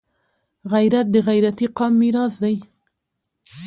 غیرت د غیرتي قام میراث دی